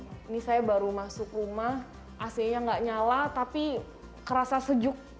ini saya baru masuk rumah ac nya nggak nyala tapi kerasa sejuk